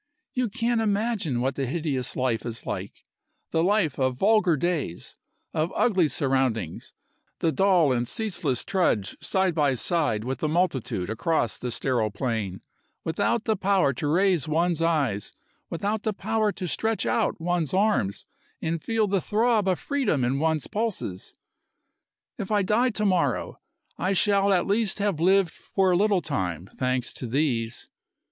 You can't imagine what the hideous life is like the life of vulgar days, of ugly surroundings, the dull and ceaseless trudge side by side with the multitude across the sterile plain, without the power to raise one's eyes, without the power to stretch out one's arms and feel the throb of freedom in one's pulses. If I die to morrow, I shall at least have lived for a little time, thanks to these.